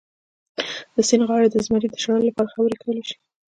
د سیند غاړې د زمري د شړلو لپاره خبرې کولی شي.